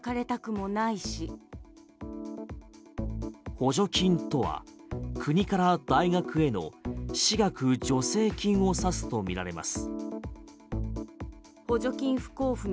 補助金とは国から大学への私学助成金を指すとみられます。